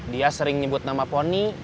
dia sering nyebut nama poni